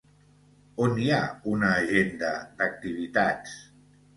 On hi ha una agenda d'activitats?